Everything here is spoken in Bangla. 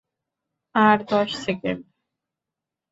আর দশ সেকেন্ড।